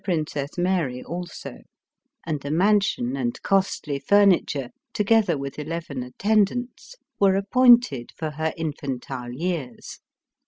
275 princess Mary also ; and a mansion and costly furni ture, together with eleven attendants, were appointed for her infantile years.